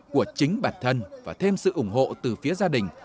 của chính bản thân và thêm sự ủng hộ từ phía gia đình